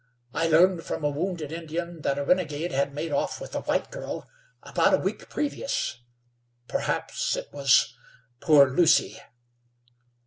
I learned from a wounded Indian that a renegade had made off with a white girl about a week previous. Perhaps it was poor Lucy."